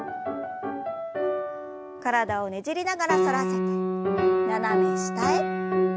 体をねじりながら反らせて斜め下へ。